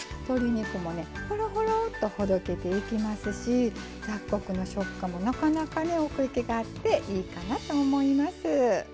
鶏肉もねホロホロッとほどけていきますし雑穀の食感もなかなかね奥行きがあっていいかなと思います。